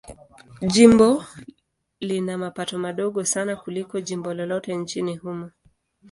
Jimbo lina mapato madogo sana kuliko jimbo lolote nchini humo.